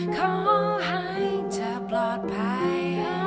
ขอให้เธอปลอดภัย